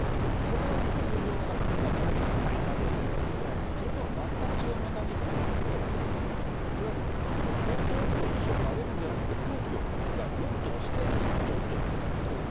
これは通常の津波のような感じはするんですけれども、それでは全く違うメカニズムなんで、いわゆるぽとんと石を投げるんじゃなくて、空気をぐっと押して、どんといった。